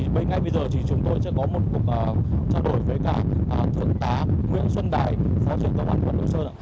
bây giờ chúng tôi sẽ có một cuộc trao đổi với thượng tá nguyễn xuân đại phó trưởng công an quận đỗ sơn